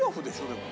でも。